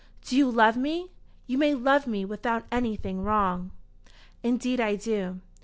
"Do you love me? You may love me without anything wrong." "Indeed I do."